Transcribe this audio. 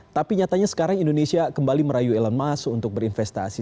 tapi nyatanya sekarang indonesia kembali merayu elon musk untuk berinvestasi